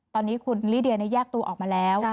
ตอนนี้คุณลิเดียแยกตัวออกมาแล้ว